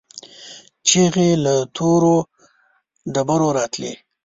چيغې له تورو ډبرو راتلې.